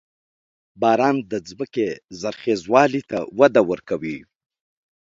• باران د ځمکې زرخېوالي ته وده ورکوي.